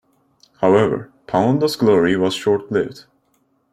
However, Pandua's glory was short-lived.